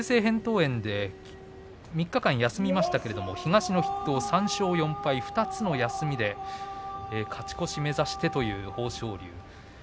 炎で３日間休みましたけれど東の筆頭、３勝４敗２つの休みで勝ち越し目指してという豊昇龍。